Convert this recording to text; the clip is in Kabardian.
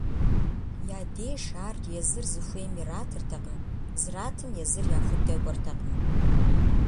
Я деж ар езыр зыхуейм иратыртэкъым, зратым езыр яхудэкӏуэртэкъым.